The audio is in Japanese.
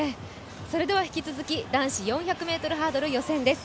引き続き男子４００ｍハードル予選です。